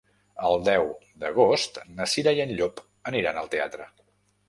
El deu d'agost na Cira i en Llop aniran al teatre.